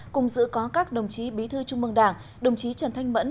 cùng dự có các đồng chí bí thư trung mương đảng đồng chí trần thanh mẫn